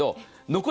残り